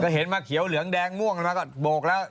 เห็นมาเขียวเหลืองแดงม่วงมาก็โบกแล้ว